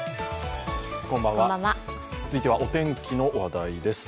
続いてはお天気の話題です。